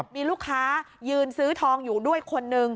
มีลูกค้ายืนซื้อทองอยู่ด้วยคนนึง